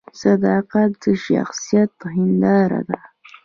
صداقت د شخصیت هنداره ده